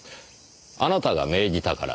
あなたが命じたから。